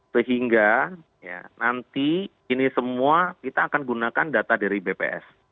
sehingga nanti ini semua kita akan gunakan data dari bps